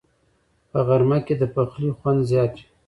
په غرمه کې د پخلي خوند زیات وي